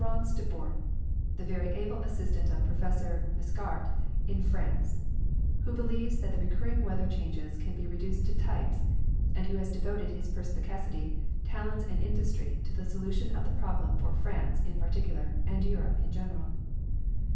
yerence de Bort, the veiy able assistant of Professor Mascart in France, who believes that the recurring weather changes can be reduced to types, and who has devoted his perspicacit}^, talents and industry to the solution of the problem for France in par ticular and Europe in general.